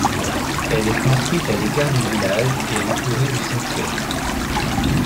Elle est construite à l’écart du village, et entourée du cimetière.